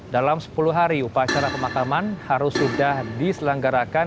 dalam sepuluh hari upacara pemakaman harus sudah diselenggarakan